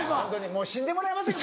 もう死んでもらえませんか。